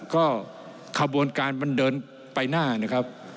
ก็ขบวนการมันเดินไปหน้านะครับ